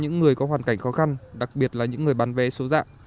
những người có hoàn cảnh khó khăn đặc biệt là những người bán vé số dạng